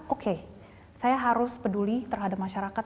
oke saya harus peduli terhadap masyarakat